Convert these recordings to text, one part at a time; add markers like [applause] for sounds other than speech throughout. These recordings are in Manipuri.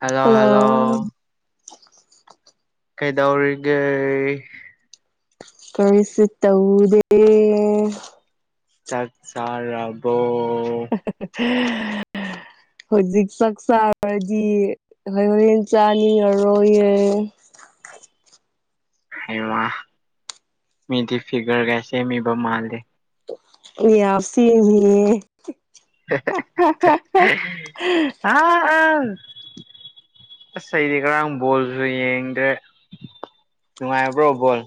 Hello hello. ꯀꯩꯗꯧꯔꯤꯒꯦ꯫ ꯀꯔꯤꯁꯨ ꯇꯧꯗꯦ꯫ ꯑꯦ꯫ ꯆꯥꯛ ꯆꯥꯔꯕꯣ꯫ [unintelligible] ꯍꯧꯖꯤꯛ ꯆꯥꯛ ꯆꯥꯔꯗꯤ ꯍꯣꯏ ꯍꯣꯔꯦꯟ ꯆꯥꯅꯤꯡꯉꯔꯣꯏꯌꯦ꯫ ꯍꯩꯃꯥ ꯃꯤꯗꯤ ꯐꯤꯒꯔꯒ ꯁꯦꯝꯃꯤꯕ ꯃꯥꯜꯂꯦ꯫ ꯑꯩꯌꯥ ꯁꯦꯝꯃꯤꯌꯦ꯫ ꯑ ꯑꯁ ꯑꯩꯗꯤ ꯉꯥꯔꯥꯡ ꯕꯣꯜꯁꯨ ꯌꯦꯡꯗ꯭ꯔꯦ꯫ ꯅꯨꯉꯥꯏꯕ꯭ꯔꯣ ꯕꯣꯜ꯫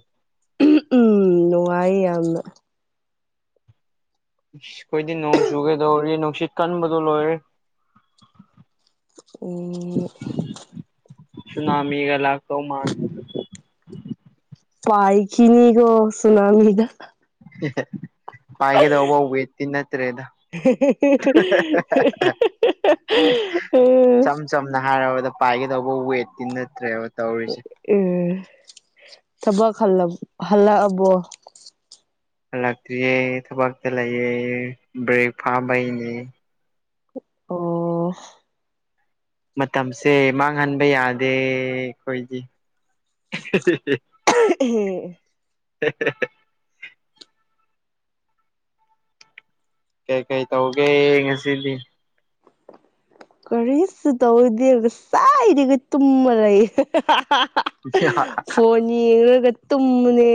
ꯎꯝ ꯅꯨꯡꯉꯥꯏ ꯌꯥꯝꯅ꯫ ꯏꯁ ꯈꯣꯏꯗꯤ ꯅꯣꯡ ꯆꯨꯒꯦꯗꯧꯔꯤ ꯅꯨꯡꯁꯤꯠ ꯀꯟꯕꯗꯣ ꯂꯣꯏꯔꯦ꯫ ꯑꯣ꯫ ꯁꯨꯅꯥꯃꯤꯒ ꯂꯥꯛꯇꯧꯃꯥꯟ ꯄꯥꯏꯈꯤꯅꯤꯒꯣ ꯁꯨꯅꯃꯤꯗ [unintelligible] ꯄꯥꯏꯒꯗꯧꯕ ꯋꯦꯠꯇꯤ ꯅꯠꯇ꯭ꯔꯦꯗ [unintelligible] [unintelligible] ꯁꯝꯅ ꯍꯥꯏꯔꯕꯗ ꯄꯥꯏꯒꯗꯧꯕ ꯋꯦꯠꯇꯤ ꯅꯠꯇ꯭ꯔꯦꯕ ꯇꯧꯔꯤꯁꯤ ꯎꯝ ꯊꯕꯛ ꯍꯜꯂꯛ ꯍꯜꯂꯛꯑꯕꯣ ꯍꯜꯂꯛꯇ꯭ꯔꯤꯌꯦ ꯊꯕꯛꯇ ꯂꯩꯌꯦ ꯕ꯭ꯔꯦꯛ ꯐꯥꯕꯩꯅꯦ ꯑꯣ ꯃꯇꯝꯁꯦ ꯃꯥꯡꯍꯟꯕ ꯌꯥꯗꯦ ꯑꯈꯣꯏꯗꯤ [unintelligible] [unintelligible] ꯍꯦ ꯍꯦ ꯍꯦ ꯀꯩꯀꯩ ꯇꯧꯒꯦ ꯉꯁꯤꯗꯤ ꯀꯔꯤꯁꯨ ꯇꯧꯗꯦ ꯉꯁꯥꯏꯗꯒꯤ ꯇꯨꯝꯃ ꯂꯩ ꯑꯦ [unintelligible] ꯐꯣꯟ ꯌꯦꯡꯔꯒ ꯇꯨꯝꯕꯅꯦ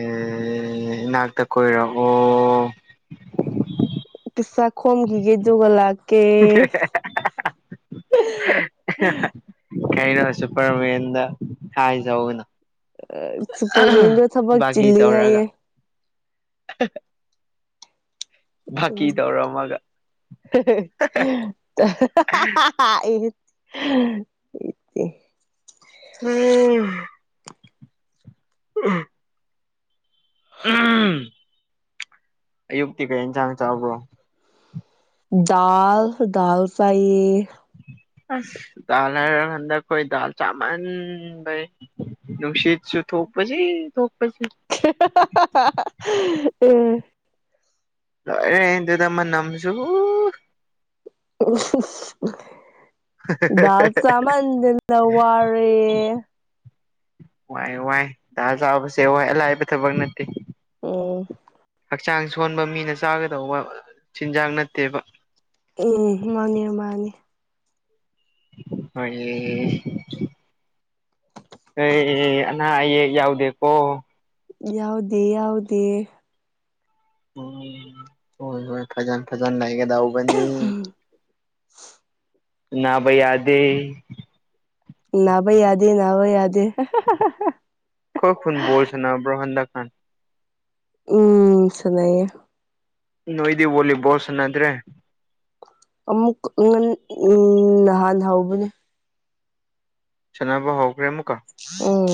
ꯑꯦ ꯏꯅꯥꯛꯇ ꯀꯣꯏꯔꯛꯑꯣ ꯄꯩꯁꯥ ꯈꯣꯝꯒꯤꯒꯦ ꯑꯗꯨꯒ ꯂꯥꯛ [unintelligible] [unintelligible] ꯀꯩꯅꯣ ꯁꯨꯄꯔꯃꯦꯟꯗ ꯍꯥꯏꯖꯧꯅ [unintelligible] ꯁꯨꯄꯔꯃꯤꯟꯗꯣ ꯊꯕꯛ ꯕꯥꯒꯤ ꯆꯤꯜꯂꯤ ꯇꯧꯔꯒ ꯍꯥꯏꯌꯦ [unintelligible] ꯕꯥꯀꯤ ꯇꯧꯔꯝꯃꯒ [unintelligible] [unintelligible] ꯎꯝ ꯎꯝ [unintelligible] ꯑꯌꯨꯛꯇꯤ ꯀꯩ ꯏꯟꯁꯥꯡ ꯆꯥꯕ꯭ꯔꯣ ꯗꯥꯜ ꯗꯥꯜ ꯆꯥꯏꯌꯦ ꯑꯁ ꯗꯥꯜ ꯍꯥꯢꯔ ꯍꯟꯗꯛ ꯈꯣꯢ ꯗꯥꯜ ꯆꯥꯃꯟꯕꯩ ꯅꯨꯡꯁꯤꯠꯁꯨ ꯊꯣꯛꯄꯁꯤ ꯊꯣꯛꯄ ꯁꯤ [unintelligible] ꯂꯣꯢꯔꯦ ꯑꯗꯨꯗ ꯃꯅꯝꯁꯨ [unintelligible] [unintelligible] ꯗꯥꯜ ꯆꯥꯃꯟꯗꯅ ꯋꯥꯔꯦ ꯋꯥꯏ ꯋꯥꯏ ꯗꯥꯜ ꯆꯥꯕꯁꯦ ꯋꯥꯏ ꯑꯂꯥꯏꯕ ꯊꯕꯛ ꯅꯠ ꯎꯝ ꯍꯛꯆꯥꯡ ꯁꯣꯟꯕ ꯃꯤꯅ ꯆꯥꯒꯗꯧꯕ ꯆꯤꯟꯖꯥꯛ ꯅꯠꯇꯦꯕ ꯎꯝ ꯃꯥꯅꯦ ꯃꯥꯅꯦ ꯍꯣꯏꯌꯦ ꯑꯩ ꯑꯅꯥ ꯑꯌꯦꯛ ꯌꯥꯎꯗꯦꯀꯣ ꯌꯥꯎꯗꯦ ꯌꯥꯎꯗꯦ ꯎꯝ ꯍꯣꯏ ꯍꯣꯏ ꯐꯖꯟ ꯐꯖꯟ ꯂꯩꯒꯗꯧꯕꯅꯤ [inaudible] ꯅꯥꯚ ꯌꯥꯗꯦ ꯅꯚ ꯌꯥꯗꯦ ꯅꯕ ꯌꯥꯗꯦ [unintelligible] ꯈꯣꯢ ꯈꯨꯟ ꯕꯣꯜ ꯁꯅꯕ꯭ꯔꯣ ꯍꯟꯗꯛꯀꯥꯟ ꯎꯝ ꯁꯥꯟꯅꯩꯌꯦ ꯅꯣꯏꯗꯤ ꯚꯣꯜꯂꯤꯕꯣꯜ ꯁꯥꯟꯅꯗ꯭ꯔꯦ ꯑꯃꯨꯛ [unintelligible] ꯅꯍꯥꯟ ꯍꯧꯕꯅꯦ ꯁꯅꯥꯕ ꯍꯧꯈ꯭ꯔꯦ ꯑꯃꯨꯛꯀ ꯎꯝ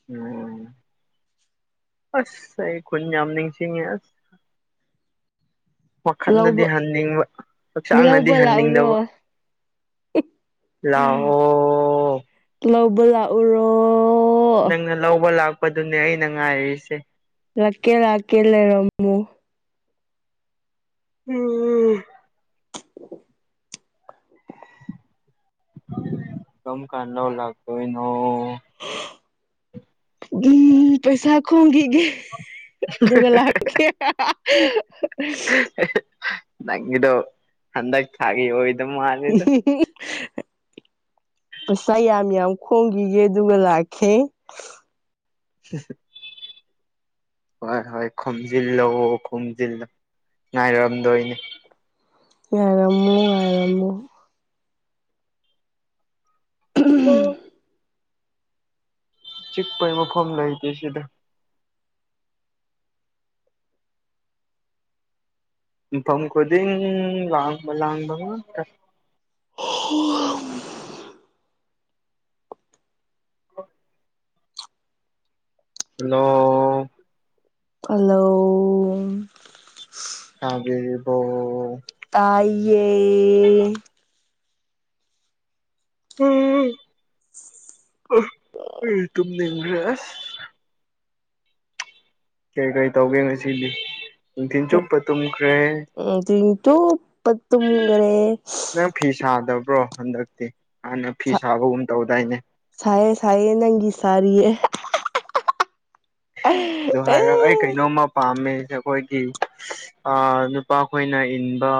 [unintelligible] ꯑꯁ ꯑꯩ ꯈꯨꯟ ꯌꯥꯝ ꯅꯤꯡꯁꯤꯡꯉꯦ ꯑꯁ ꯂꯧꯕ ꯋꯥꯈꯟꯗꯗꯤ ꯍꯟꯅꯤꯡꯕ ꯍꯛꯆꯥꯡꯅꯗꯤ ꯂꯧꯕ ꯂꯥꯛꯎꯔꯣ ꯍꯟꯅꯤꯡꯗꯕ ꯂꯑꯣ ꯑꯣ ꯂꯧꯕ ꯂꯥ ꯅꯪꯅ ꯂꯧꯕ ꯂꯥꯛꯄꯗꯨꯅꯦ ꯑꯩꯅ ꯉꯥꯏꯔꯤꯁꯦ ꯂꯛꯀꯦ ꯂꯥꯛꯀꯦ ꯂꯩꯔꯝꯃꯨ [unintelligible] ꯀꯝ ꯀꯥꯟ ꯂꯧ ꯂꯥꯛꯇꯣꯏꯅꯣ ꯗꯨꯝ ꯄꯩꯁꯥ ꯈꯣꯝꯈꯤꯒꯦ ꯑꯗꯨꯒ ꯂꯥꯛ [unintelligible] [unintelligible] ꯅꯪꯒꯤꯗꯣ ꯍꯟꯗꯛ ꯊꯥꯒꯤ ꯑꯣꯢ [unintelligible] ꯄꯩꯁꯥ ꯌꯥꯝ ꯌꯥꯝ ꯈꯣꯡꯒꯤꯒꯦ ꯑꯗꯨꯒ ꯂꯥꯛꯈꯦ [unintelligible] ꯍꯣꯏ ꯍꯣꯏ ꯈꯣꯝꯖꯤꯜꯂꯣ ꯈꯣꯝꯖꯤꯜꯂꯣ ꯉꯥꯏꯔꯝꯗꯣꯏꯅꯦ ꯉꯥꯢꯔꯝꯃꯨ [unintelligible] ꯆꯤꯛꯄ ꯃꯐꯝ ꯂꯩꯇꯦ ꯁꯤꯗ ꯃꯐꯝ ꯈꯨꯗꯤꯡ ꯂꯥꯡꯕ ꯂꯥꯡꯕ ꯉꯥꯛꯇ [unintelligible] ꯍꯅꯣ ꯍꯂꯣ ꯎꯝ ꯇꯥꯕꯤꯔꯤꯕꯣ ꯇꯥꯏꯌꯦ [unintelligible] ꯑꯩ ꯇꯨꯝꯅꯤꯡꯈ꯭ꯔꯦ ꯑꯁ ꯀꯩ ꯀꯩ ꯇꯧꯒꯦ ꯉꯁꯤꯗꯤ ꯅꯨꯡꯊꯤꯟ ꯆꯨꯞꯄ ꯇꯨꯝꯈ꯭ꯔꯦ ꯅꯨꯡꯗꯤꯟ ꯆꯨꯞꯄ ꯇꯨꯝꯒꯔꯦ [unintelligible] ꯅꯪ ꯐꯤ ꯁꯥꯗꯕ꯭ꯔꯣ ꯍꯟꯗꯛꯇꯤ ꯍꯥꯟꯅ ꯐꯤ ꯁꯥꯕꯒꯨꯝ ꯇꯧꯗꯥꯏꯅꯦ ꯁꯥꯏꯌꯦ ꯁꯥꯏꯌꯦ ꯅꯪꯒꯤ ꯁꯥꯔꯤꯌꯦ ꯗꯨ ꯑꯦ ꯍꯥꯏꯔꯛꯑꯩ ꯀꯩꯅꯣꯝꯃ ꯄꯥꯝꯃꯦ ꯑꯩꯖꯦ ꯑꯈꯣꯏꯒꯤ ꯑꯥ ꯅꯨꯄꯥ ꯈꯣꯏꯅ ꯏꯟꯕ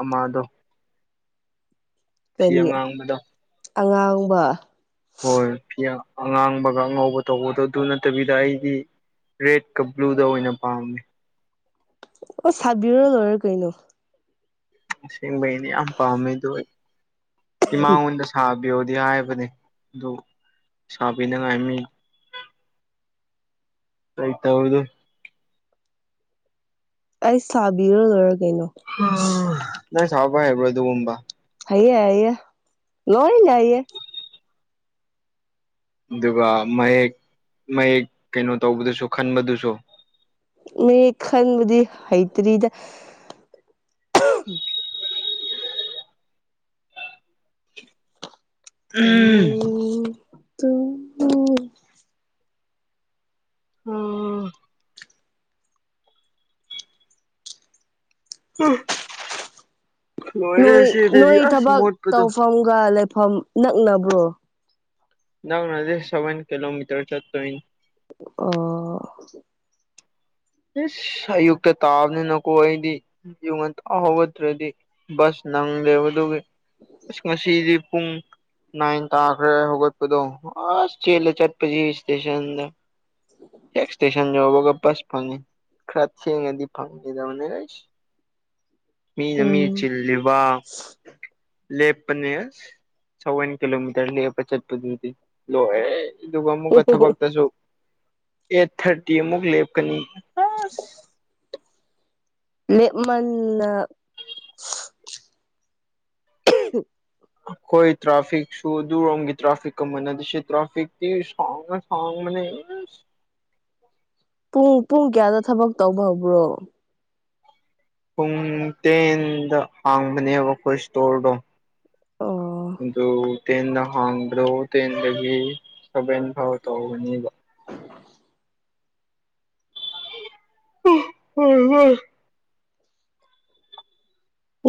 ꯑꯃꯗꯣ ꯐꯤ ꯀꯔꯤ ꯑꯉꯥꯡꯕꯗꯣ ꯑꯉꯥꯡꯕ ꯍꯣꯏ ꯐꯤ ꯑꯉꯥꯡꯕꯒ ꯑꯉꯧꯕ ꯇꯧꯕꯗꯣ ꯑꯗꯨ ꯅꯠꯇꯕꯤꯗ ꯑꯩꯗꯤ ꯔꯦꯗꯀ ꯕ꯭ꯂꯨꯗ ꯑꯣꯏꯅ ꯄꯥꯝꯃꯤ ꯑꯣ ꯁꯥꯕꯤꯔ ꯂꯣꯏꯔꯦ ꯀꯩꯅꯣ ꯑꯁꯦꯡꯕꯩꯩꯅꯦ ꯌꯥꯝ ꯄꯥꯝꯃꯦ ꯑꯗꯨ ꯏꯃꯥꯉꯣꯟꯗꯁꯨ ꯁꯥꯕꯤꯌꯣꯗꯤ ꯍꯥꯏꯕꯅꯦ ꯑꯗꯨ ꯁꯥꯕꯤꯅꯤꯉꯥꯏ ꯃꯤ ꯂꯩꯇꯕꯗꯨ ꯑꯩ ꯁꯥꯕꯤꯔ ꯂꯣꯏꯔꯦ ꯀꯩꯅꯣ ꯑꯥ ꯅꯪ ꯁꯥꯕ ꯍꯥꯏꯕ꯭ꯔꯣ ꯑꯗꯨꯒꯨꯝꯕ ꯍꯩꯌꯦ ꯍꯩꯌꯦ ꯂꯣꯢꯅ ꯍꯩꯌꯦ ꯑꯗꯨꯒ ꯃꯌꯦꯛ ꯃꯌꯦꯛ ꯀꯩꯅꯣ ꯇꯧꯕꯗꯨꯁꯨ ꯈꯟꯕꯗꯨꯁꯨ ꯃꯤ ꯈꯟꯕꯗꯤ ꯍꯩꯇ꯭ꯔꯤꯗ ꯎꯝ ꯎꯝ ꯇꯨ ꯑꯝ ꯑꯦ ꯅꯣꯏ ꯅꯣꯏ ꯑꯁ ꯊꯕꯛ ꯃꯣꯠꯄꯗꯣ ꯇꯧꯐꯝꯒ ꯂꯩꯐꯝ ꯅꯛꯅꯕ꯭ꯔꯣ ꯅꯪꯅ ꯍꯧꯖꯤꯛ ꯁꯕꯦꯟ ꯀꯦꯂꯣꯃꯤꯠꯇ꯭ꯔ ꯆꯠꯇꯣꯢꯅꯤ ꯑꯣ ꯏꯁ ꯑꯌꯨꯛꯇ ꯇꯥꯕꯅꯤꯅꯀꯣ ꯑꯩꯗꯤ ꯑꯌꯨꯛ ꯉꯟꯇꯥ ꯍꯧꯒꯠꯇ꯭ꯔꯗꯤ ꯕꯁ ꯅꯪꯗꯦꯕ ꯑꯗꯨꯒꯤ ꯑꯁ ꯉꯁꯤꯗꯤ ꯄꯨꯡ ꯅꯥꯏꯟ ꯇꯥꯈ꯭ꯔꯦ ꯍꯧꯒꯠꯄꯗꯣ ꯑꯁ ꯆꯦꯂ ꯆꯠꯄꯁꯤ ꯁ꯭ꯇꯦꯁꯟꯗ ꯍꯦꯛ ꯁ꯭ꯇꯦꯁꯟ ꯌꯧꯕꯒ ꯕꯁ ꯐꯪꯉꯤ ꯈꯔꯥ ꯊꯦꯡꯉꯗꯤ ꯐꯪꯉꯣꯏꯗꯕꯅꯤ ꯑꯩꯁ ꯃꯤꯅ ꯃꯤ ꯎꯝ ꯆꯤꯜꯂꯤꯕ ꯂꯦꯞꯄꯅꯦ ꯑꯁ ꯁꯥꯕꯦꯟ ꯀꯤꯂꯣꯃꯤꯇꯔ ꯂꯦꯞꯄ ꯆꯠꯄꯗꯨꯗꯤ ꯂꯣꯏꯔꯦꯍꯦ ꯑꯗꯨꯒ ꯑꯃꯨꯛ ꯊꯕꯛꯇꯁꯨ ꯑꯦꯠ ꯊꯥꯔꯇꯤ ꯑꯃꯨꯛ ꯂꯦꯞꯀꯅꯤ ꯑꯁ ꯂꯦꯞꯃꯟꯗꯅ ꯑꯩꯈꯣꯏ ꯇ꯭ꯔꯥꯐꯤꯛꯁꯨ ꯑꯗꯨꯔꯣꯝꯒꯤ ꯇ꯭ꯔꯥꯐꯤꯛꯀ ꯃꯅꯥꯗꯦ ꯁꯤ ꯇ꯭ꯔꯥꯐꯤꯛꯇꯤ ꯁꯥꯡꯉ ꯁꯥꯡꯕꯅꯦ ꯄꯨꯡ ꯄꯨꯡ ꯀꯌꯥꯗ ꯊꯕꯛ ꯇꯧꯕ ꯍꯧꯕ꯭ꯔꯣ ꯄꯨꯡ ꯇꯦꯟꯗ ꯍꯥꯡꯕꯅꯦꯕ ꯑꯩꯈꯣꯏ ꯁ꯭ꯇꯣꯔꯗꯣ ꯑꯣ ꯑꯗꯨ ꯇꯦꯟꯗ ꯍꯥꯡꯕꯗꯣ ꯇꯦꯟꯗꯒꯤ ꯁꯕꯦꯟ ꯐꯥꯎ ꯇꯧꯒꯅꯤꯕ ꯎ ꯎꯝ ꯎꯝ [unintelligible]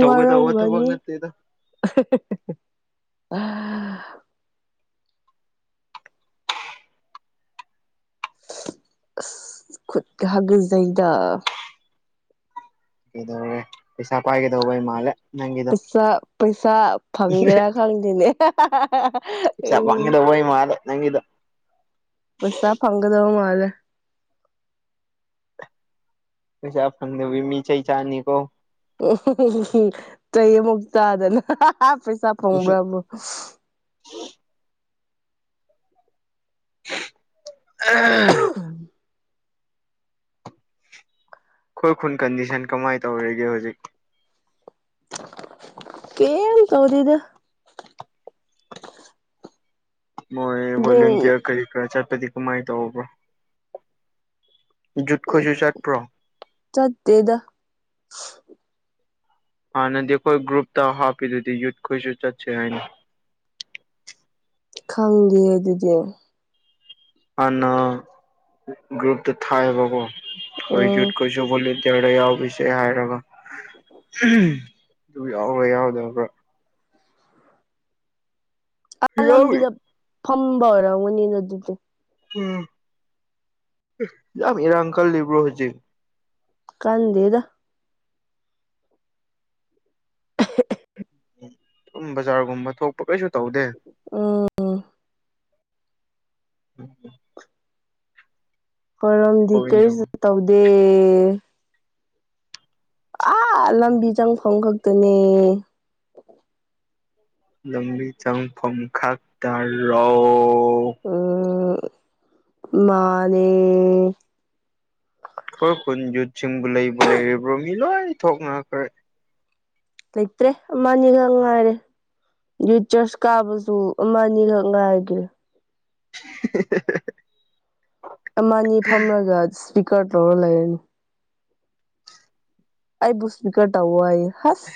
ꯇꯧꯒꯗꯧꯕ ꯊꯕꯛ ꯋꯥꯔꯧꯒꯅꯤ ꯅꯠꯇꯦꯗ [unintelligible] ꯈꯨꯠꯀ ꯍꯥꯒꯠꯖꯩꯗ ꯀꯩꯗꯧꯔꯦ ꯄꯩꯁꯥ ꯄꯥꯏꯒꯗꯧꯕꯩ ꯃꯥꯜꯂꯦ ꯅꯪꯒꯤꯗꯣ ꯄꯩꯁꯥ ꯄꯩꯁꯥ ꯐꯪꯒꯦꯔꯥ ꯈꯪꯗꯦꯅꯦ [unintelligible] [unintelligible] ꯄꯩꯁꯥ ꯎꯝ ꯋꯥꯡꯒꯗꯧꯕꯩ ꯃꯥꯜꯂꯦ ꯅꯪꯒꯤꯗꯣ ꯄꯨꯁꯥ ꯐꯪꯒꯗꯧꯕ ꯃꯥꯜꯂꯦ ꯄꯩꯁꯥ ꯐꯪꯗꯕꯤ ꯃꯤ ꯆꯩ ꯆꯥꯅꯤꯀꯣ ꯎꯝ [unintelligible] ꯆꯩ ꯑꯃꯨꯛ ꯆꯥꯗꯅ [unintelligible] ꯄꯩꯁꯥ ꯐꯪꯕ꯭ꯔꯕꯨ ꯑ [unintelligible] ꯑꯩꯈꯣꯏ ꯈꯨꯟ ꯀꯟꯗꯤꯁꯟ ꯀꯃꯥꯏꯅ ꯇꯧꯔꯤꯒꯦ ꯍꯧꯖꯤꯛ ꯀꯦꯝ ꯇꯧꯗꯦꯗ ꯃꯣꯏ ꯑꯗꯨꯝ ꯚꯣꯂꯨꯟꯇꯤꯌꯥꯔ ꯀꯔꯤ ꯀꯔꯥ ꯆꯠꯄꯗꯤ ꯀꯃꯥꯏꯅ ꯇꯧꯕ꯭ꯔꯣ ꯖꯨꯠ ꯈꯣꯏꯁꯨ ꯆꯠꯄ꯭ꯔꯣ ꯆꯠꯇꯦꯗ ꯍꯥꯟꯅꯗꯤ ꯑꯩꯈꯣꯏ ꯒ꯭ꯔꯨꯞꯇ ꯍꯥꯞꯄꯤꯗꯨꯗꯤ ꯌꯨꯠꯈꯣꯏꯁꯨ ꯆꯠꯁꯦ ꯍꯥꯏꯅ ꯈꯪꯗꯦ ꯑꯗꯨꯗꯤ ꯍꯥꯟꯅ ꯒ꯭ꯔꯨꯞꯇ ꯊꯥꯏꯕꯀꯣ ꯀꯣꯏꯖꯨꯠ ꯎꯝ ꯀꯣꯏ ꯁꯨ ꯕꯣꯂꯨꯟꯇ꯭ꯌꯔꯗ ꯌꯥꯎꯕꯤꯁꯦ ꯍꯥꯏꯔꯒ [unintelligible] ꯗꯨ ꯌꯥꯎꯕ꯭ꯔꯥ ꯌꯥꯎꯗꯕ꯭ꯔꯥ ꯑ ꯌꯥꯎꯋꯤ ꯂꯝꯕꯤꯗ ꯐꯝꯕ ꯑꯣꯏꯔꯝꯒꯅꯤꯅ ꯑꯗꯨꯗꯤ [unintelligible] ꯌꯥꯝ ꯏꯔꯥꯡ ꯀꯜꯂꯤꯕꫭ ꯍꯨꯖꯤꯛ ꯀꯟꯗꯦꯗ [unintelligible] ꯎꯝ ꯕꯖꯥꯔꯒꯨꯝꯕ ꯊꯣꯛꯄ ꯀꯩꯁꯨ ꯇꯧꯗꯦ ꯑ [unintelligible] ꯈꯣꯏꯔꯣꯝꯗꯤ ꯍꯣꯏꯅꯦ ꯀꯔꯤꯁꯨ ꯇꯧꯗꯦ ꯑꯥ ꯂꯝꯕꯤ ꯆꯪꯐꯝ ꯈꯛꯇꯅꯦ ꯂꯝꯕꯤ ꯆꯪꯐꯝ ꯈꯥꯛ ꯇꯥꯔꯣ ꯎꯝ ꯃꯥꯅꯦ ꯈꯣꯏ ꯈꯨꯨꯟ ꯌꯨꯠꯁꯤꯡꯕꯨ ꯂꯩꯕꯨ ꯂꯩꯔꯤꯕ꯭ꯔꯣ ꯃꯤ ꯂꯣꯏ ꯊꯣꯛꯅꯈ꯭ꯔꯦ ꯂꯩꯇ꯭ꯔꯦ ꯑꯃꯥꯅꯤꯒꯛ ꯉꯥꯏꯔꯦ ꯌꯨꯠ ꯆꯔꯆ ꯀꯥꯕꯁꯨ ꯑꯃ ꯅꯤꯒꯛ ꯉꯥꯏꯒꯦ [unintelligible] ꯑꯃ ꯅꯤ ꯐꯝꯔꯒ ꯁ꯭ꯄꯤꯀꯔ ꯇꯧꯔ ꯂꯩꯔꯅꯨ ꯑꯩꯕꯨ ꯁ꯭ꯄꯤꯀꯔ ꯇꯧꯕ ꯑꯌꯦ ꯍꯁ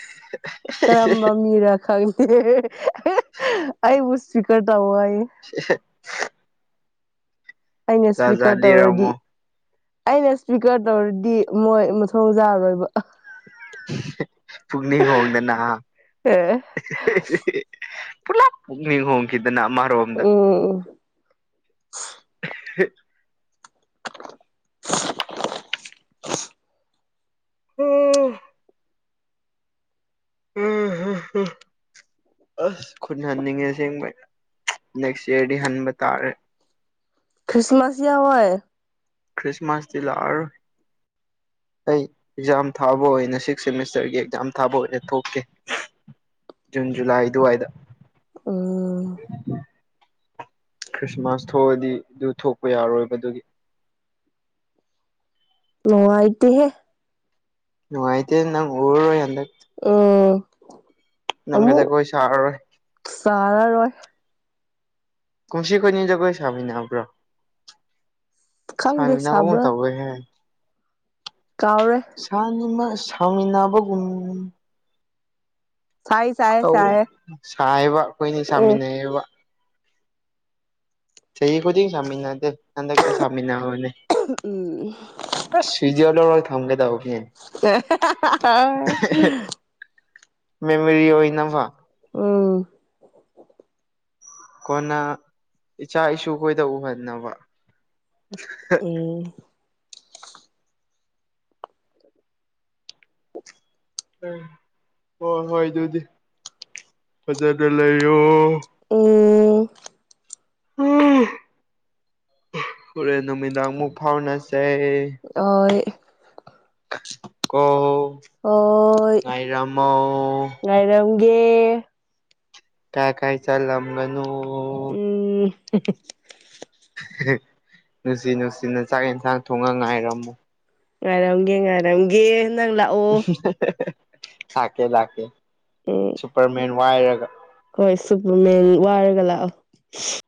ꯀꯔꯝꯕ ꯃꯤꯔ ꯈꯪ [unintelligible] ꯑꯩꯕꯨ ꯁ꯭ꯄꯤꯀꯔ ꯇꯧ ꯂꯩ ꯑꯩꯅ ꯖꯥꯠ ꯖꯥꯠ ꯁ꯭ꯄꯤꯀꯔ ꯇꯧꯔꯗꯤ ꯂꯤꯔꯝꯃꯣ ꯑꯩꯅ ꯁ꯭ꯄꯤꯀꯔ ꯇꯧꯔꯗꯤ ꯃꯣꯏ ꯃꯊꯣꯡ ꯆꯥꯔꯣꯏꯕ [unintelligible] ꯄꯨꯛꯅꯤꯡ ꯍꯣꯡꯗꯅ ꯍꯥ [unintelligible] ꯄꯨꯂꯞ ꯄꯨꯛꯅꯤꯡ ꯍꯣꯡꯈꯤꯗꯅ ꯑꯥꯃꯔꯣꯝꯗ ꯎꯝ ꯎꯝ [unintelligible] ꯑꯁ ꯈꯨꯟ ꯍꯟꯅꯤꯡꯉꯦ ꯑꯁꯦꯡꯕꯩ ꯅꯦꯛꯁ ꯌꯥꯔꯗꯤ ꯍꯟꯕ ꯇꯥꯔꯦ ꯈ꯭ꯔꯤꯁꯃꯥꯁ ꯌꯥꯋꫭꯏ ꯈ꯭ꯔꯤꯁꯃꯥꯁꯇꯤ ꯂꯥꯛꯑꯔꫭꯏ ꯑꯩ ꯑꯦꯛꯖꯥꯝ ꯊꯥꯕ ꯑꯣꯏꯅ ꯁꯤꯛꯁ ꯁꯦꯃꯤꯁꯇꯔꯒꯤ ꯑꯦꯛꯖꯥꯝ ꯊꯥꯕ ꯑꯣꯏꯅ ꯊꯣꯛꯀꯦ ꯖꯨꯟ ꯖꯨꯂꯥꯏ ꯑꯗꯨꯋꯥꯏꯗ ꯎꯝ [unintelligible] ꯈ꯭ꯔꯤꯁꯃꯥꯁ ꯊꯣꯛꯑꯗꯤ ꯗꯨ ꯊꯣꯛꯄ ꯌꯥꯔꯣꯏꯕ ꯗꯨꯒꯤ ꯅꯨꯉꯥꯏꯇꯦꯍꯦ ꯅꯨꯉꯥꯏꯇꯦ ꯅꯪ ꯎꯔꯔꫭꯏ ꯍꯟꯗꯛ ꯎꯝ ꯅꯪꯒ ꯑꯃꯨꯛ ꯖꯒꯣꯏ ꯁꯥꯔꯔꯣꯏ ꯆꯥꯔꯔꯣꯏ ꯀꯨꯝꯁꯤ ꯈꯣꯏꯅꯤ ꯖꯒꯣꯏ ꯁꯥꯃꯤꯟꯅꯍꯧꯕ꯭ꯔꯣ ꯈꯪꯗꯦ ꯁꯥꯥꯟꯃꯤꯟꯅꯍꯧꯒꯨꯝ ꯁꯥꯕ꯭ꯔꯥ ꯇꯧꯋꯦꯍꯦ ꯀꯥꯎꯔꯦ ꯁꯅꯤꯃ ꯁꯃꯤꯅꯕꯒꯨꯝ ꯊꯥꯏ ꯇꯧ ꯁꯥꯏꯌꯦꯕ ꯑꯈꯣꯏꯅꯤ ꯎꯝ ꯁꯥꯃꯤꯟꯅꯩꯌꯦꯕ ꯆꯍꯤ ꯈꯨꯗꯤꯡ ꯁꯥꯃꯤꯅꯗꯦ ꯍꯟꯗꯛꯗꯤ ꯁꯥꯃꯤꯅꯕꯅꯦ ꯎꯝ ꯑꯁ ꯁꯤꯖꯦ ꯂꯧꯔꯣꯏ ꯐꯪꯒꯗꯧꯅꯦ ꯃꯦꯃꯔꯤ ꯑꯣꯏꯅꯕ ꯑꯣ ꯀꯣꯟꯅ ꯏꯆꯥ ꯏꯁꯨ ꯈꯣꯏꯗ ꯎꯍꯟꯅꯕ ꯎꯝ ꯍꯣꯏ ꯍꯣꯏ ꯑꯗꯨꯗꯤ ꯐꯖꯅ ꯂꯩꯌꯣ ꯎꯡ ꯍꯣꯔꯦꯟ ꯅꯨꯃꯤꯗꯥꯡ ꯑꯃꯨꯛ ꯐꯥꯎꯅꯁꯩ ꯑꯣꯏ ꯀꯣ ꯍꯣꯏ ꯉꯥꯏꯔꯝꯃꯣ ꯉꯥꯏꯔꯝꯒꯦ ꯀꯥꯥꯏ ꯀꯥꯏ ꯆꯜꯂꯝꯒꯅꯣ ꯎꯝ ꯅꯨꯡꯁꯤ ꯅꯨꯡꯁꯤꯅ ꯆꯥꯛ ꯌꯦꯟꯁꯥꯡ ꯊꯣꯡꯉꯒ ꯉꯥꯏꯔꯝꯃꯨ ꯉꯥꯏꯔꯝꯒꯦ ꯉꯥꯏꯔꯝꯒꯦ ꯅꯪ ꯂꯥꯛꯑꯣ ꯂꯥꯛꯀꯦ ꯂꯥꯛꯀꯦ ꯎꯝ ꯁꯨꯄꯔꯃꯦꯟ ꯋꯥꯏꯔꯒ ꯍꯣꯏ ꯁꯨꯄꯔꯃꯦꯟ ꯋꯥꯏꯔꯒ ꯂꯥꯛꯑꯣ